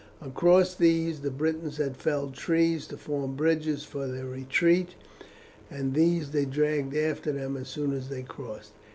Across these the Britons had felled trees to form bridges for their retreat, and these they dragged after them as soon as they crossed.